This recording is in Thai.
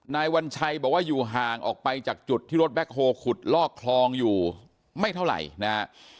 วัญชัยบอกว่าอยู่ห่างออกไปจากจุดที่รถแบ็คโฮลขุดลอกคลองอยู่ไม่เท่าไหร่นะฮะ